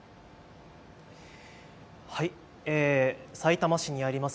さいたま市にあります